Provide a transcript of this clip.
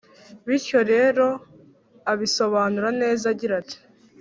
bityo rero abisobanura neza agira ati